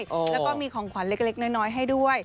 แล้วก็มีของขวัญเล็กน้อยให้ด้วย